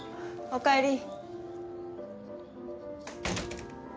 おかえり。